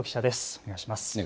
お願いします。